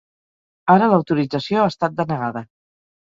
Ara l’autorització ha estat denegada.